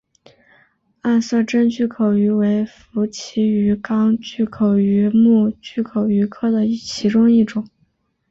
暗色真巨口鱼为辐鳍鱼纲巨口鱼目巨口鱼科的其中一种。